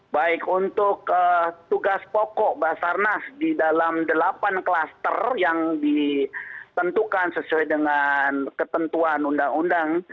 baik untuk tugas pokok basarnas di dalam delapan klaster yang ditentukan sesuai dengan ketentuan undang undang